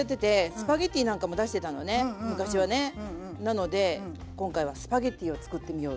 なので今回はスパゲッティをつくってみようと。